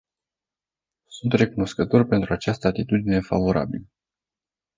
Sunt recunoscător pentru această atitudine favorabilă.